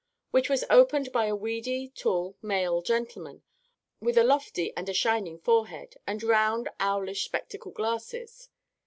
_" which was opened by a weedy, tall male gentleman, with a lofty and a shining forehead, and round, owlish spectacle glasses.